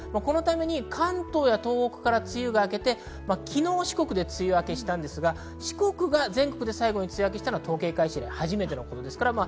関東や東北から梅雨が明けて昨日、四国で梅雨明けしたんですが四国が全国で最後の梅雨明けしたのは、統計開始以来初めてです。